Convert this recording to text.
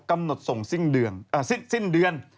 กำหนดส่งสิ้นเดือน